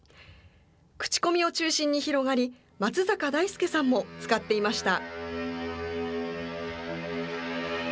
口コミを中心に広がり、松坂大輔さんも使っていました。